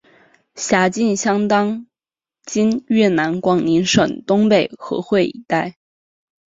辖境相当今越南广宁省东北河桧一带。